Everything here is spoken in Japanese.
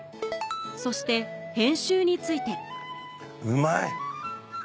そして編集についてうまい！